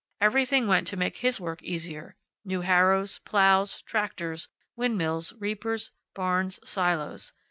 Everything went to make his work easier new harrows, plows, tractors, wind mills, reapers, barns, silos.